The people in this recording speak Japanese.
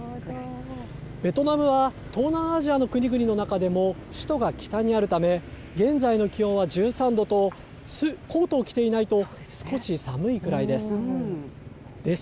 ベトナムは、東南アジアの国々の中でも、首都が北にあるため、現在の気温は１３度と、コートを着ていないと少し寒いくらいです。